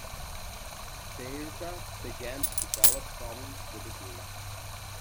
Baerga began to develop problems with his knees.